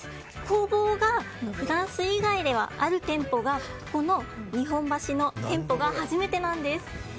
工房がフランス以外ではある店舗がこの日本橋の店舗が初めてなんです。